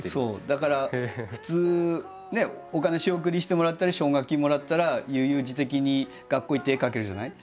だから普通お金仕送りしてもらったり奨学金もらったら悠々自適に学校へ行って絵描けるじゃない？